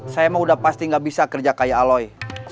saya mah udah pasti gak bisa kerja kayak aloy